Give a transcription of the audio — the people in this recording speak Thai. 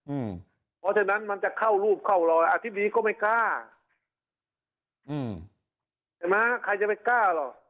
เพราะฉะนั้นมันจะเข้ารูปเข้ารอยอธิบดีก็ไม่กล้าอืมเห็นไหมใครจะไปกล้าหรอก